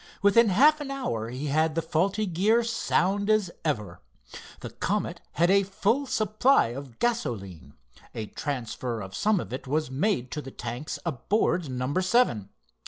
Within half an hour he had the faulty gear sound as ever. The Comet had a full supply of gasoline. A transfer of some of it was made to the tanks aboard number seven.